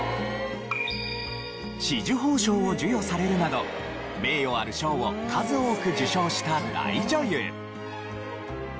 紫綬褒章を授与されるなど名誉ある賞を数多く受賞した大女優。